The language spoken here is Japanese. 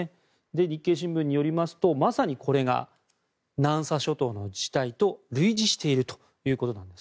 日経新聞によりますとまさにこれが南沙諸島の事態と類似しているということです。